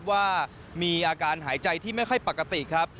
ว่ามีอาการหายใจที่ไม่ค่อยปกติครับ